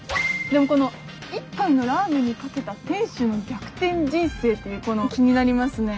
この「一杯のラーメンにかけた店主の逆転人生」っていう気になりますね。